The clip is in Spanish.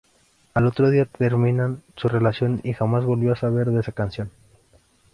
Al otro día terminan su relación y jamás volvió a saber de esa canción.